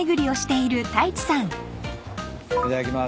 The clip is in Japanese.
いただきます。